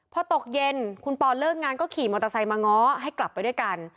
พอตกเย็นคุณปอนเลิกงานก็ขี่มอเตอร์ไซค์มาง้อให้กลับไปด้วยกัน